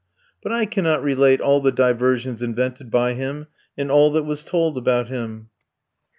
But I cannot relate all the diversions invented by him, and all that was told about him.